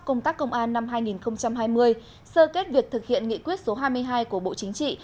công tác công an năm hai nghìn hai mươi sơ kết việc thực hiện nghị quyết số hai mươi hai của bộ chính trị